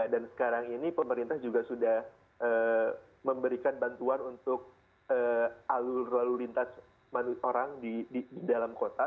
dan sekarang ini pemerintah juga sudah memberikan bantuan untuk alur lalu lintas orang di dalam kota